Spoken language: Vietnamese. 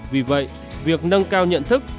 vì vậy việc nâng cao nhận thức